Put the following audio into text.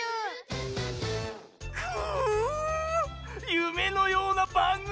ゆめのようなばんぐみ！